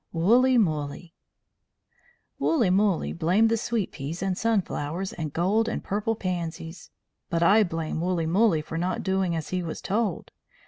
WOOLLYMOOLLY Woollymoolly blamed the sweet peas and sunflowers and gold and purple pansies; but I blame Woollymoolly for not doing as he was told.